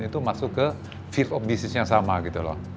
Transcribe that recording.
itu masuk ke field of business yang sama